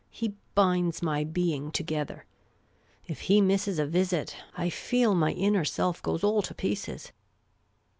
He binds my being together. If he misses a visit, I feel my inner self goes all to pieces."